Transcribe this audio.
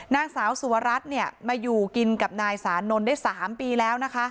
นางสาวสุวรัตน์มาอยู่กินกับนายสานนท์ได้๓ปีแล้วนะคะ